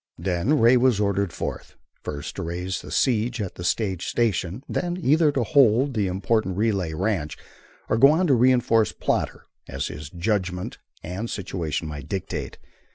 Then Ray was ordered forth, first to raise the siege at the stage station, then, either to hold that important relay ranch or go on to reinforce Plodder as his judgment and the situation might dictate.